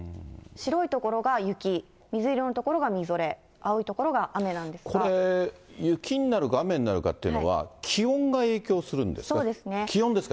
白い所が雪、水色の所がみぞれ、これ、雪になるか雨になるかというのは、気温が影響するんですか。